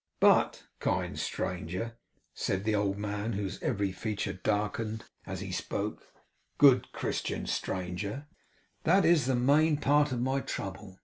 But, kind stranger,' said the old man, whose every feature darkened as he spoke, 'good Christian stranger, that is a main part of my trouble.